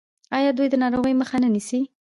آیا دوی د ناروغیو مخه نه نیسي؟